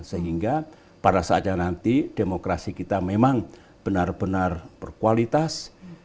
sehingga pada saatnya nanti demokrasi kita memang benar benar berkualitas